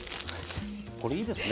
これいいですね。